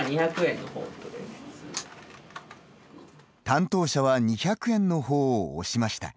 担当者は２００円のほうを押しました。